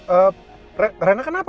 eh rena rena kenapa